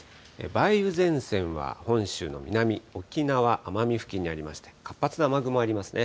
梅雨前線は本州の南、沖縄・奄美付近にありまして、活発な雨雲ありますね。